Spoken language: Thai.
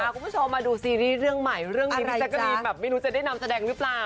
คุณผู้ชมมาดูซีรีส์เรื่องใหม่เรื่องนี้พี่แจ๊กกะรีนแบบไม่รู้จะได้นำแสดงหรือเปล่า